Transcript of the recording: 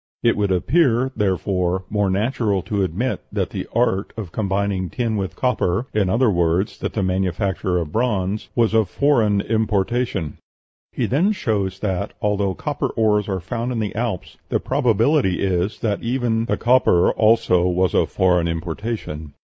It would appear, therefore, more natural to admit that the art of combining tin with copper in other words, that the manufacture of bronze was of foreign importation." He then shows that, although copper ores are found in the Alps, the probability is that even "the copper also was of foreign importation.